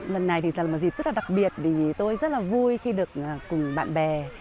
lần này là một dịp rất đặc biệt vì tôi rất vui khi được cùng bạn bè